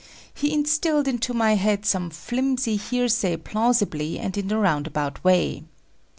He instilled into my head some flimsy hearsay plausibly and in a roundabout way.